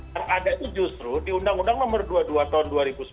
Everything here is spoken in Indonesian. yang ada itu justru di undang undang nomor dua puluh dua tahun dua ribu sepuluh